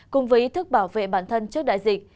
cùng với ý thức bảo vệ bản thân trước đại dịch